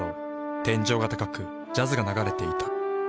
天井が高くジャズが流れていた。